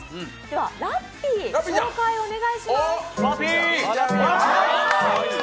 ラッピー、紹介をお願いします。